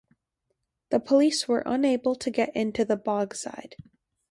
The police were unable to get into the Bogside.